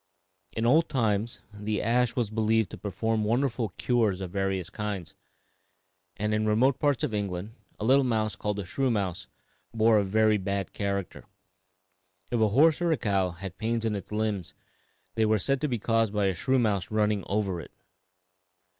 In old times the ash was believed to perform wonderful cures of various kinds, and in remote parts of England a little mouse called the shrew mouse bore a very bad character. If a horse or cow had pains in its limbs, they were said to be caused by a shrew mouse running over it.